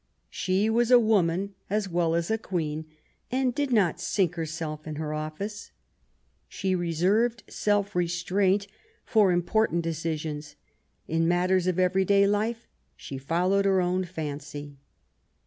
She was a woman as well as a Queen, and did not sink herself in her oflSce. She reserved self restraint for important decisions ; in matters of everyday life she followed her own fancy.